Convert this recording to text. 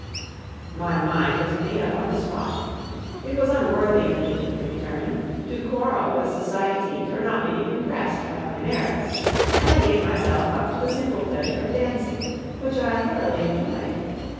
My mind was made up on the spot. It was unworthy of me, I determined, to quarrel with society for not being impressed by my merits, and I gave myself up to the simple pleasure of dancing, which I thoroughly enjoyed.